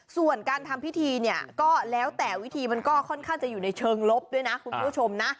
ส่วนการทำพิธีเนี่ยก็แล้วแต่วิธีมันก็ค่อนข้างจะอยู่ในเชิงลบด้วยนะคุณผู้ชมนะ